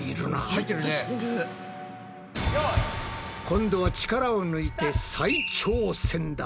今度は力を抜いて再挑戦だ。